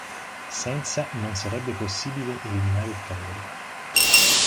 Senza non sarebbe possibile eliminare il calore.